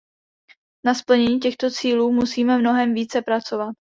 Na splnění těchto cílů musíme mnohem více pracovat.